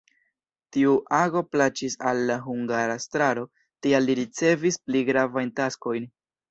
Tiu ago plaĉis al la hungara estraro, tial li ricevis pli gravajn taskojn.